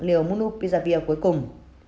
liều bonupiravir cuối cùng